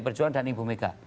kita hormati keputusan ibu mega